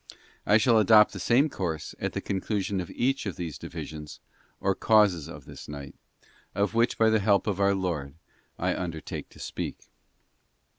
I shall adopt the same course at the conclusion of each of these divisions or causes of this night, of which by the help of our Lord I undertake to speak.